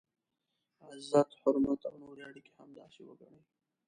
عزت، حرمت او نورې اړیکي همداسې وګڼئ.